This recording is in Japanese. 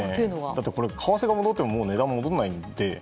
だって、為替が戻っても値段は戻らないので。